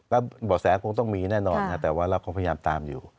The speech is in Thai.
เบาะแสคงต้องมีแน่นอนค่ะแต่ว่าเราก็พยายามตามอยู่